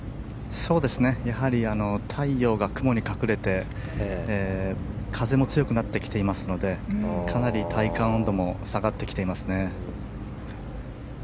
太陽が雲に隠れて風も強くなってきていますのでかなり体感温度も下がってきていますね。